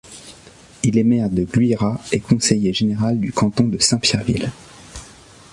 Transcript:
Il est maire de Gluiras et conseiller général du canton de Saint-Pierreville.